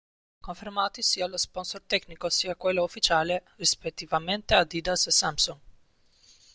Confermati sia lo sponsor tecnico sia quello ufficiale, rispettivamente Adidas e Samsung.